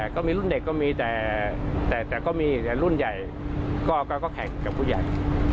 ก็มีรุ่นเด็กก็มีแต่ก็มีแต่รุ่นใหญ่ก็แข่งกับผู้ใหญ่